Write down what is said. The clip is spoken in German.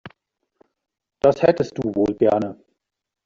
Das hättest du wohl gerne.